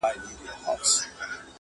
دغه کار ته فکر وړی دی حیران دی.